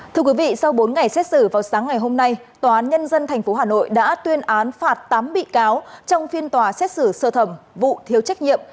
thưa quý vị sau bốn ngày xét xử vào sáng ngày hôm nay tòa án nhân dân tp hà nội đã tuyên án phạt tám bị cáo trong phiên tòa xét xử sơ thẩm vụ thiếu trách nhiệm